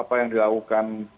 apa yang dilakukan